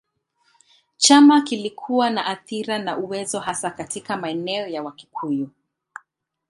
Chama kilikuwa na athira na uwezo hasa katika maeneo ya Wakikuyu.